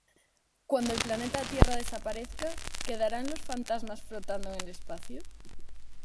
Cuando el planeta Tierra desaparezca, ¿quedarán los fantasmas flotando en el espacio?